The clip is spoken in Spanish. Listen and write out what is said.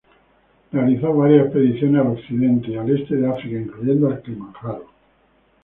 Realizó varias expediciones al occidente y al este de África, incluyendo al Kilimanjaro.